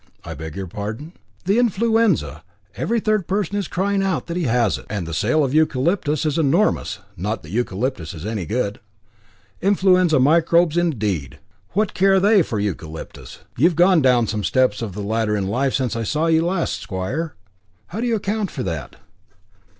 "I beg your pardon?" "The influenza. Every third person is crying out that he has it, and the sale of eucalyptus is enormous, not that eucalyptus is any good. Influenza microbes indeed! What care they for eucalyptus? You've gone down some steps of the ladder of life since I saw you last, squire. How do you account for that?"